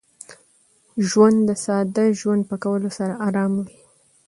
ژوند د ساده ژوند په کولو سره ارام وي.